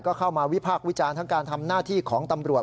ก็เข้ามาวิพากษ์วิจารณ์ทั้งการทำหน้าที่ของตำรวจ